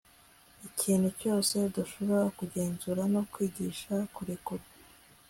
ikintu cyose udashobora kugenzura nukwigisha kurekura